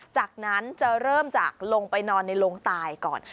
จากนั้นจะเริ่มจากลงไปนอนในโรงตายก่อน